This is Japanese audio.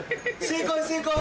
正解？